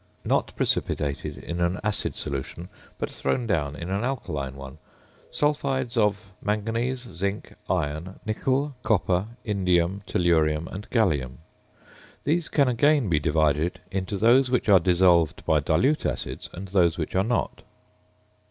Not precipitated in an acid solution, but thrown down in an alkaline one. Sulphides of Mn, Zn, Fe, Ni, Co, In, Tl, and Ga. These can again be divided into those which are dissolved by dilute acids and those which are not.